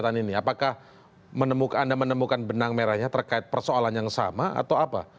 apakah anda menemukan benang merahnya terkait persoalan yang sama atau apa